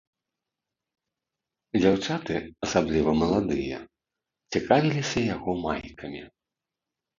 Дзяўчаты, асабліва маладыя, цікавіліся яго майкамі.